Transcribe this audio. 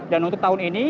dan untuk tahun ini